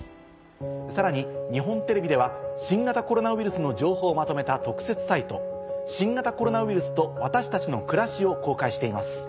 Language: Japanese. さらに日本テレビでは新型コロナウイルスの情報をまとめた。を公開しています。